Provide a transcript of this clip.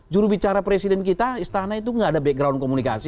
juru bicara presiden kita istana itu tidak ada background komunikasi